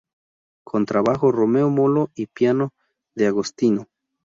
Contrabajo Romeo Molo y piano D'Agostino.